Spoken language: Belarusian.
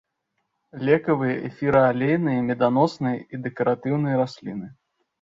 Лекавыя, эфіраалейныя, меданосныя і дэкаратыўныя расліны.